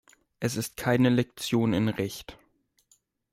Es ist keine Lektion in Recht.